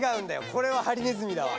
これはハリネズミだわ。